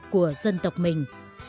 của dân tộc mình